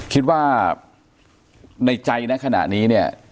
คิดว่าในใจนะขณะนี้เนี่ย